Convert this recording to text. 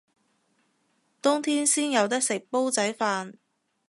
冬天先有得食煲仔飯